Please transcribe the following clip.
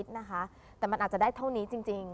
นะคะแต่มันอาจจะได้เท่านี้จริง